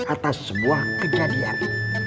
atas sebuah kejadian